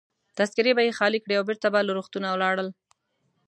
تذکیرې به يې خالي کړې او بیرته به له روغتونه ولاړل.